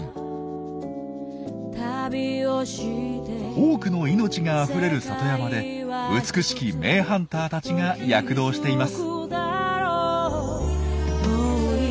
多くの命があふれる里山で美しき名ハンターたちが躍動しています。